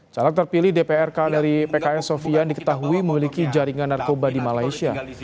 caleg terpilih dpr dari pks sofian diketahui memiliki jaringan narkoba di malaysia